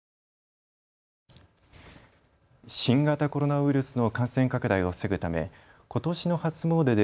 新型コロナウイルスの感染拡大を防ぐためことしの初詣で